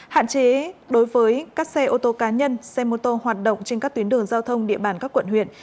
hạn chế đối với các xe ô tô cá nhân xe mô tô hoạt động trên các tuyến đường giao thông địa bàn các quận huyện